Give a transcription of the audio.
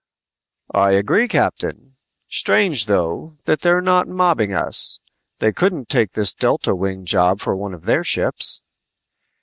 "I agree, Captain. Strange, though, that they're not mobbing us. They couldn't take this delta winged job for one of their ships!"